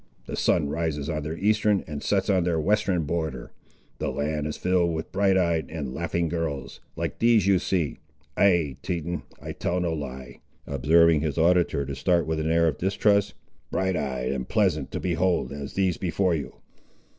The sun rises on their eastern and sets on their western border. The land is filled with bright eyed and laughing girls, like these you see—ay, Teton, I tell no lie," observing his auditor to start with an air of distrust—"bright eyed and pleasant to behold, as these before you."